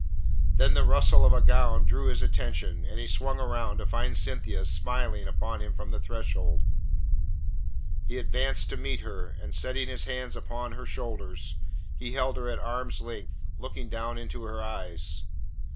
Then the rustle of a gown drew his attention, and he swung round to find Cynthia smiling upon him from the threshold. He advanced to meet her, and setting his hands upon her shoulders, he held her at arm's length, looking down into her eyes.